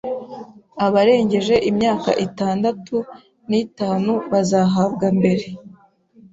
abarengeje imyaka itandatu nitanu bazahabwa mbere